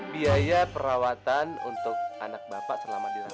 biaya perawatan untuk anak bapak selama dirawat di sini